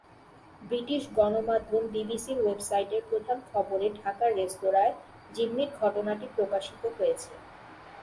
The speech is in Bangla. ব্রিটিশ গণমাধ্যম বিবিসির ওয়েবসাইটের প্রধান খবরে ঢাকার রেস্তোরাঁয় জিম্মির ঘটনাটি প্রকাশিত হয়েছে।